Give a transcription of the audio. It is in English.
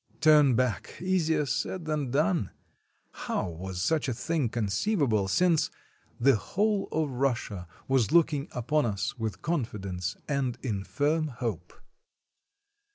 Turn back — easier said than done. How was such a thing conceivable, since "the whole of Russia was look ing upon us with confidence and in firm hope."